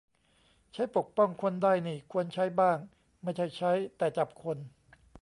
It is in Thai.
ใช้ปกป้องคนได้นี่ควรใช้บ้าง ไม่ใช่ใช้แต่จับคน